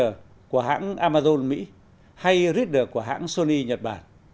amazon của hãng amazon mỹ hay reader của hãng sony nhật bản